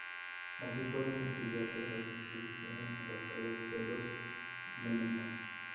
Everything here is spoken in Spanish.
Así pueden estudiarse las distribuciones en la red de los elementos.